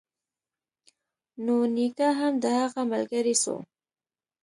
نو نيکه هم د هغه ملگرى سو.